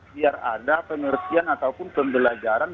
biar ada penertian ataupun pembelajaran